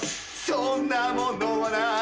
そんなものはない